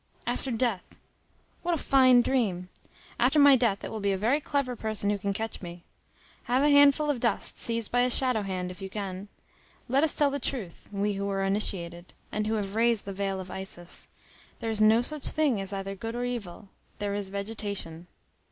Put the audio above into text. After death. What a fine dream! After my death it will be a very clever person who can catch me. Have a handful of dust seized by a shadow hand, if you can. Let us tell the truth, we who are initiated, and who have raised the veil of Isis: there is no such thing as either good or evil; there is vegetation.